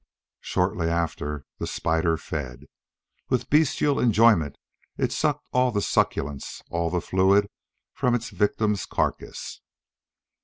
Shortly after, the spider fed. With bestial enjoyment it sucked all the succulence, all the fluid, from its victim's carcass.